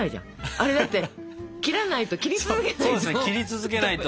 あれだって切らないと切り続けないと。